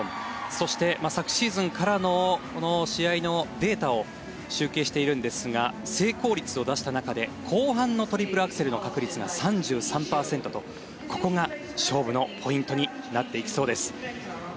そして昨シーズンからの試合のデータを集計しているんですが成功率を出した中で後半のトリプルアクセルの確率が３３％とここが勝負のポイントになっていくそうです。